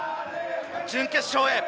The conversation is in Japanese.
準決勝へ。